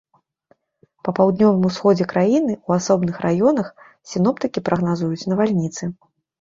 Па паўднёвым усходзе краіны ў асобных раёнах сіноптыкі прагназуюць навальніцы.